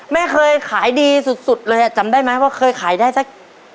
แม่เคยขายดีสุดเลยอ่ะจำได้ไหมว่าเคยขายได้สัก